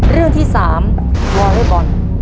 เรื่องที่๓วอเล็กบอล